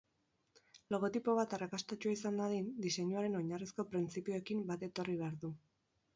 Logotipo bat arrakastatsua izan dadin, diseinuaren oinarrizko printzipioekin bat etorri behar du.